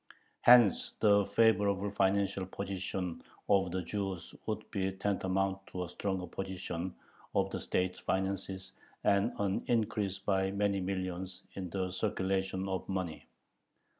Hence the favorable financial position of the Jews would be tantamount to a stronger position of the state finances and an increase by many millions in the circulation of money.